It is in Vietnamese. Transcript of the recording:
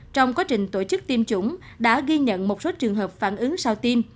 trong quá trình tổ chức tiêm chủng đã ghi nhận một số trường hợp phản ứng sau tim